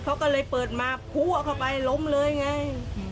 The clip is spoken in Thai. เขาก็เลยเปิดมาพัวเข้าไปล้มเลยไง